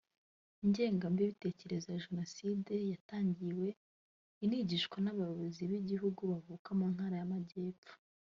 Ingengabitekerezo ya jenoside yatangiwe inigishwa n’abayobozi b’igihugu bavukaga mu Ntara y’Amajyepfo